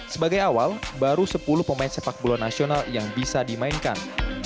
sebagai awal baru sepuluh pemain sepak bola nasional yang bisa dimainkan